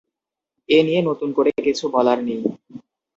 এ নিয়ে নতুন করে কিছু বলার নেই।